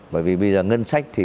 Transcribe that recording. bởi vì bây giờ ngân sách thì